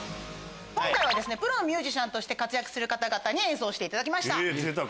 今回プロのミュージシャンとして活躍する方々に演奏していただきました。